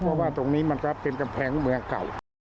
เพราะว่าตรงนี้มันจะเป็นกำแพงเมืองเก่า